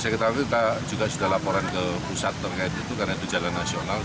saya ketahui kita juga sudah laporan ke pusat terkait itu karena itu jalan nasional